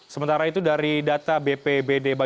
sementara itu dari data bpbd